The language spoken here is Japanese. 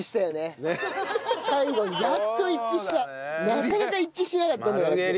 なかなか一致しなかったんだから今日。